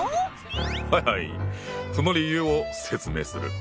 はいはいその理由を説明する！